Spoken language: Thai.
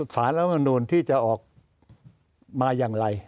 สารลำนุนที่จะออกมาอย่างไร